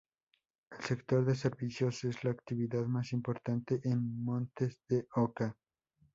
El sector de servicios es la actividad más importante en Montes de Oca.